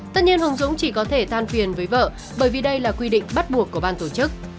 tất nhiên hùng dũng chỉ có thể than phiền với vợ bởi vì đây là quy định bắt buộc của ban tổ chức